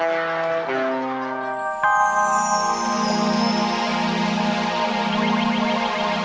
tolong ada yang mau melahirkan